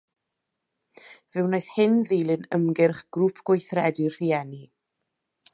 Fe wnaeth hyn ddilyn ymgyrch Grŵp Gweithredu'r Rhieni.